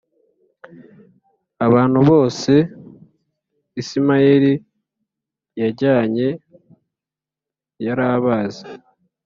Abantu bose Isimayeli yajyanye yarabazi.